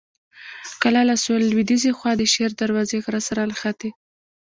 کلا له سویل لویديځې خوا د شیر دروازې غر سره نښتې.